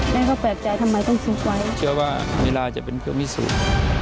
แม่ก็แปลกใจทำไมต้องซุกไว้เชื่อว่าลีลาจะเป็นเครื่องพิสูจน์